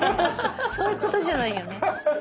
そういうことじゃないよね。